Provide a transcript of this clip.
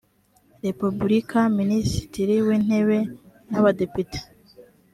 repubulika minisitiri w intebe n abadepite